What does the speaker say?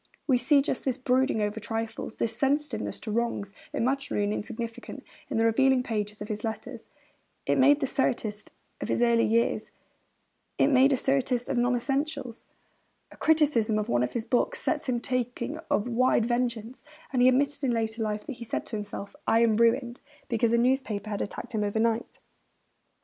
We see just this brooding over trifles, this sensitiveness to wrongs, imaginary or insignificant, in the revealing pages of his letters. It made the satirist of his earlier years; it made him a satirist of non essentials. A criticism of one of his books sets him talking of wide vengeance; and he admitted in later life that he said to himself, 'I am ruined,' because a newspaper had attacked him overnight.